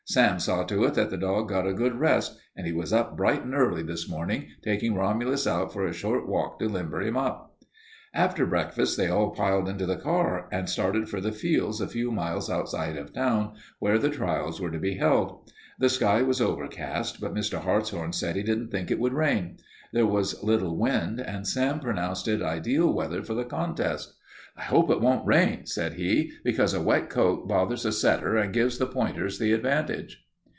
Sam saw to it that the dog got a good rest, and he was up bright and early this morning, taking Romulus out for a short walk to limber him up." After breakfast they all piled into the car and started for the fields a few miles outside of town where the trials were to be held. The sky was overcast, but Mr. Hartshorn said he didn't think it would rain. There was little wind, and Sam pronounced it ideal weather for the contest. "I hope it won't rain," said he, "because a wet coat bothers a setter and gives the pointers the advantage."